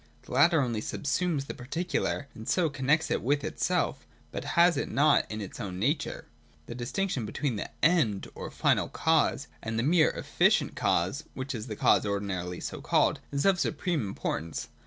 The latter only subsumes the particular, and so connects it with itself: but has it not in its own nature. — The distinction between the End or final cause, and the mere efficient cause (which is the cause ordinarily so called), is of supreme importance.